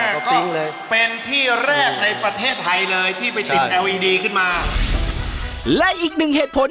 ก็เป็นที่แรกในประเทศไทยเลย